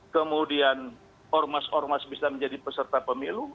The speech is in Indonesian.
kemudian ormas ormas bisa menjadi peserta pemilu